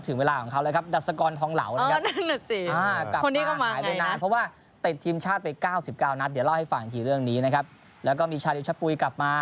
ถึงเวลาของเขาแล้วก็ถึงรัฐกรทองเหล่า